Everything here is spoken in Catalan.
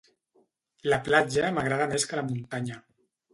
La platja m'agrada més que la muntanya.